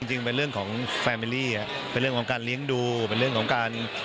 จริงเป็นเรื่องของแฟมิลี่เป็นเรื่องของการเลี้ยงดูเป็นเรื่องของการ